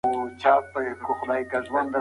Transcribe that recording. چي هم توره هم سخا وي هم کمال وي